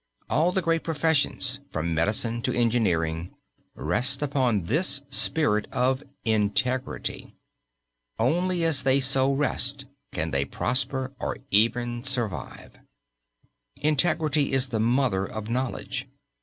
All the great professions, from medicine to engineering, rest upon this spirit of integrity. Only as they so rest, can they prosper or even survive. Integrity is the mother of knowledge.